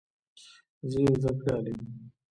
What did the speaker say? زه یو زده کړیال یم.